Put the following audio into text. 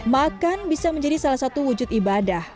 makan bisa menjadi salah satu wujud ibadah